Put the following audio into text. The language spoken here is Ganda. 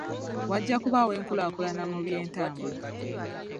Wajja kubaawo enkulaakulana mu by'entambula.